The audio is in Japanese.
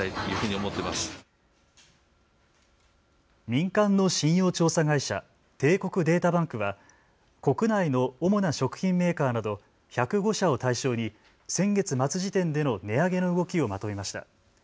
民間の信用調査会社、帝国データバンクは国内の主な食品メーカーなど１０５社を対象に先月末時点での値上げの動きをまとめました。